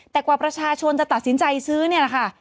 แต่กว่าประชาชนจะตัดสินใจซื้อเนี่ยแหละค่ะ